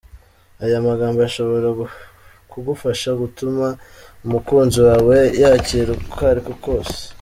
Aya magambo ashobora kugufasha gutuma umukunzi wawe yakira uko ari kose.